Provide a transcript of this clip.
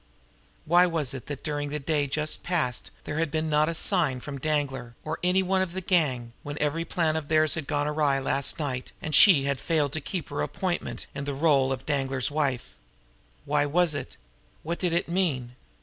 Why was it that during the day just past there had been not a sign from Danglar or any one of the gang, when every plan of theirs had gone awry last night, and she had failed to keep her appointment in the role of Danglar's wife? Why was it? What did it mean?